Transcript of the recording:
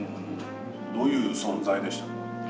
どういう存在でしたか？